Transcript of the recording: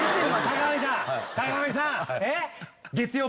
坂上さん！